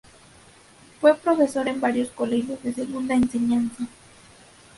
Fue profesor en varios colegios de segunda enseñanza.